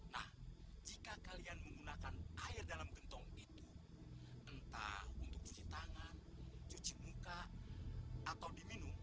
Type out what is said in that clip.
nah jika kalian menggunakan air dalam gentong itu entah untuk cuci tangan cuci muka atau diminum